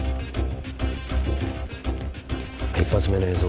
一発目の映像